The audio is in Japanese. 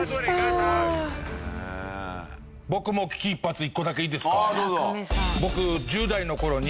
僕も危機一髪１個だけいいですか？